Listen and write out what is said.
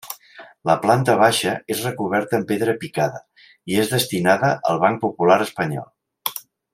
La planta baixa és recoberta amb pedra picada i és destinada al Banc Popular Espanyol.